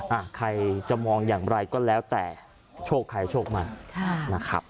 อ่ะใครจะมองอย่างไรก็แล้วแต่โชคใครโชคมันค่ะนะครับ